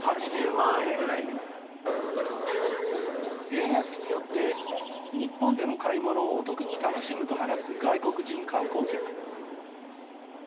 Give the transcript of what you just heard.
円安によって日本での買い物をお得に楽しむと話す外国人観光客。